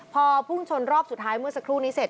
พอพุ่งชนรอบสุดท้ายเมื่อสักครู่นี้เสร็จ